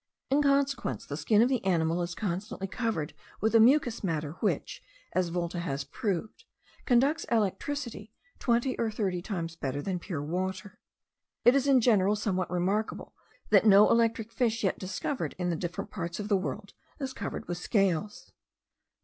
In consequence, the skin of the animal is constantly covered with a mucous matter, which, as Volta has proved, conducts electricity twenty or thirty times better than pure water. It is in general somewhat remarkable, that no electric fish yet discovered in the different parts of the world, is covered with scales.